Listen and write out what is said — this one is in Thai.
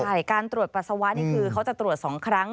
ใช่การตรวจปัสสาวะนี่คือเขาจะตรวจ๒ครั้ง